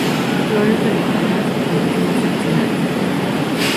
Flores solitarias o en cimas axilares.